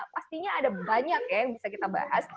pastinya ada banyak ya yang bisa kita bahas